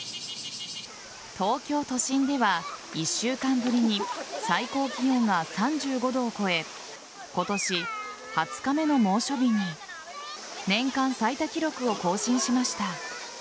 東京都心では、１週間ぶりに最高気温が３５度を超え今年２０日目の猛暑日に年間最多記録を更新しました。